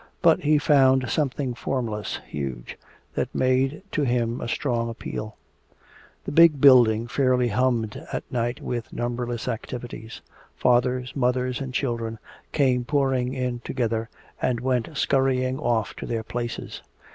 But he found something formless, huge, that made to him a strong appeal. The big building fairly hummed at night with numberless activities. Fathers, mothers and children came pouring in together and went skurrying off to their places.